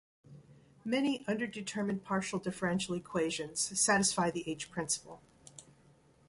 Many underdetermined partial differential equations satisfy the h-principle.